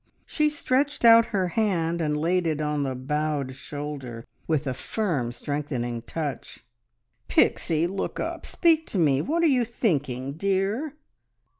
She stretched out her hand, and laid it on the bowed shoulder with a firm, strengthening touch. "Pixie! Look up! Speak to me! What are you thinking, dear?"